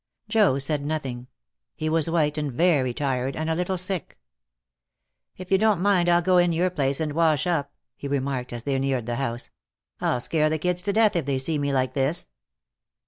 Joe said nothing. He was white and very tired, and a little sick. "If you don't mind I'll go in your place and wash up," he remarked, as they neared the house. "I'll scare the kids to death if they see me like this."